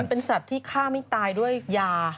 เป็นสัตว์ที่ฆ่าไม่ตายด้วยยา